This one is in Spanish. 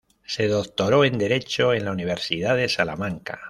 Se doctoró en derecho en la Universidad de Salamanca.